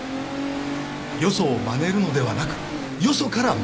よそをまねるのではなくよそからまねられる。